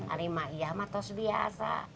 alimak iya mah terus biasa